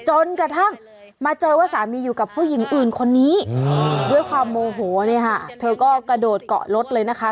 จนกระทั่งมาเจอว่าสามีอยู่กับผู้หญิงอื่นคนนี้ด้วยความโมโหเนี่ยค่ะเธอก็กระโดดเกาะรถเลยนะคะ